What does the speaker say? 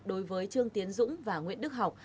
đối với trương tiến dũng và nguyễn đức học